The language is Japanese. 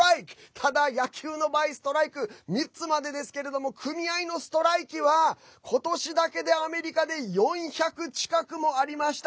ただ、野球の場合ストライク３つまでですけど組合のストライキは、今年だけでアメリカで４００近くもありました。